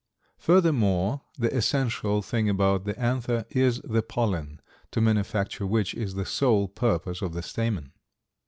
Furthermore, the essential thing about the anther is the pollen, to manufacture which is the sole purpose of the stamen.